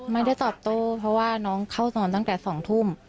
ไม่ได้ตอบโต้เพราะว่าน้องเข้านอนตั้งแต่๒ทุ่ม